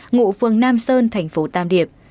ngụ phương nam sơn thành phố tam điệp